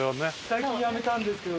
最近やめたんですけど。